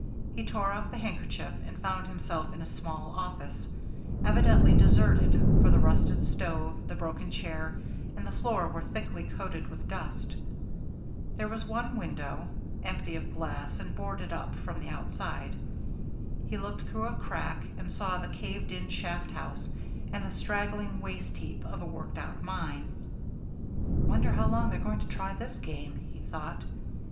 He tore off the handkerchief and found himself in a small office, evidently deserted, for the rusted stove, the broken chair, and the floor were thickly coated with dust. There was one window, empty of glass and boarded up from the outside. He looked through a crack and saw the caved in shaft house and the straggling waste heap of a worked out mine. "Wonder how long they're going to try this game," he thought.